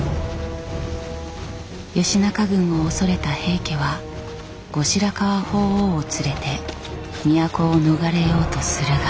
義仲軍を恐れた平家は後白河法皇を連れて都を逃れようとするが。